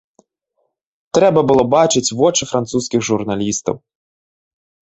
Трэба было бачыць вочы французскіх журналістаў.